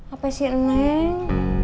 apa sih neng